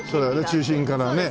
中心からね。